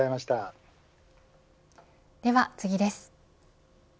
では次です。